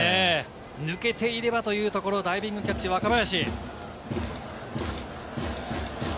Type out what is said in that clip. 抜けていればというところで、見事なダイビングキャッチ、若林。